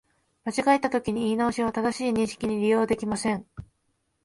間違えたときの言い直しは、正しい認識に利用できません